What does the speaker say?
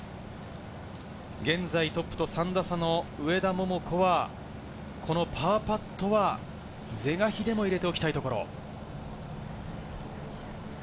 現在トップと３打差の上田桃子は、このパーパットは是が非でも入れておきたいところ。